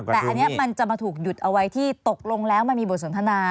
แต่อันนี้มันจะมาถูกหยุดเอาไว้ที่ตกลงแล้วมันมีบทสนทนา